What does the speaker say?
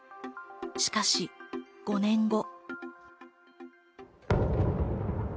しかし５年後。